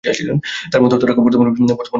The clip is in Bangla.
তার মতো তারকা বর্তমান বিশ্বে নেই বললেই চলে।